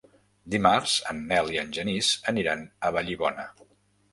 Dimarts en Nel i en Genís aniran a Vallibona.